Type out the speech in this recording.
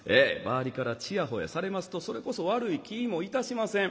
周りからチヤホヤされますとそれこそ悪い気もいたしません。